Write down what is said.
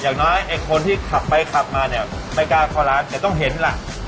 อย่างน้อยคนที่ขับไปขับมาเนี่ยใบการขอร้านจะต้องเห็นล่ะ